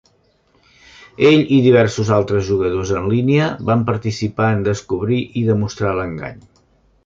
Ell i diversos altres jugadors en línia van participar en descobrir i demostrar l'engany.